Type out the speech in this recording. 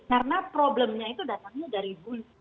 karena problemnya itu datangnya dari dulu